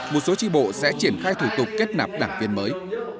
một số tri bộ sẽ triển khai thủ tục kết nạp đảng viên mới